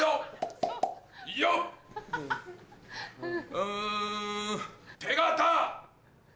うん手形。